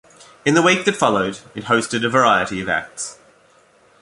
In the week that followed, it hosted a variety of acts.